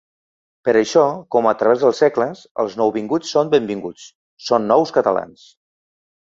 Per això, com a través dels segles, els nouvinguts són benvinguts, són nous catalans.